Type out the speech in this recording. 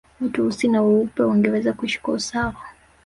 watu weusi na weupe wangeweza kuishi kwa usawa